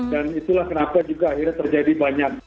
dan itulah kenapa juga akhirnya terjadi banyak